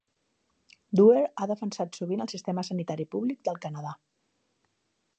Doer ha defensat sovint el sistema sanitari públic del Canadà.